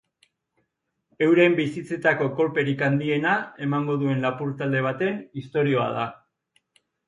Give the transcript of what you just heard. Euren bizitzetako kolperik handiena emango duen lapur talde baten istorioa da.